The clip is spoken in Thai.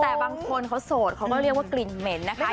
แต่บางคนเขาโสดเขาก็เรียกว่ากลิ่นเหม็นนะคะ